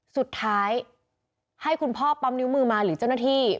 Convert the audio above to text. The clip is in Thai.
สุดท้ายให้คุณพ่อปั๊มนิ้วมือมาหรือเจ้าหน้าที่